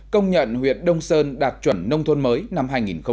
công nhận huyện đông sơn đạt chuẩn nông thôn mới năm hai nghìn một mươi năm